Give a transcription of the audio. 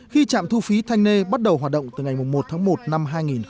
khi trạm thu phí thanh nê bắt đầu hoạt động từ ngày một tháng một năm hai nghìn hai mươi